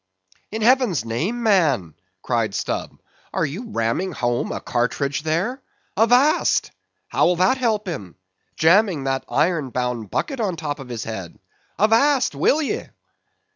"In heaven's name, man," cried Stubb, "are you ramming home a cartridge there?—Avast! How will that help him; jamming that iron bound bucket on top of his head? Avast, will ye!"